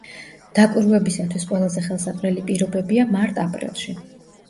დაკვირვებისათვის ყველაზე ხელსაყრელი პირობებია მარტ-აპრილში.